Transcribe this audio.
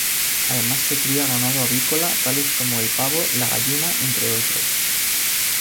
Además se cría ganado avícola tales como el pavo, la gallina, entre otros.